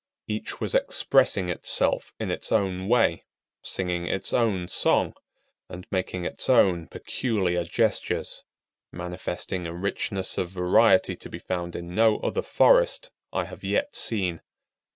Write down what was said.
Each was expressing itself in its own way,—singing its own song, and making its own peculiar gestures,—manifesting a richness of variety to be found in no other forest I have yet seen.